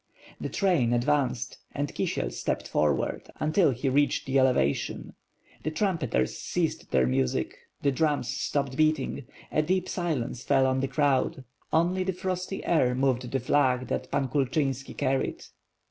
The train advanced and Kisiel stepped forward until he reached the elevation; the trumpeters ceased their music; the drums stopped beating — a deep silence fell on the crowd, only the frosty air moved the flag that Pan Kulchynsi carried.